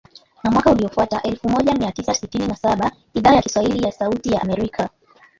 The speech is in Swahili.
Na mwaka uliofuata, elfu moja mia tisa sitini na saba , Idhaa ya Kiswahili ya Sauti ya Amerika